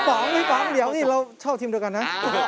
พี่ป๋องเดี๋ยวเราชอบทีมเดียวกันนะ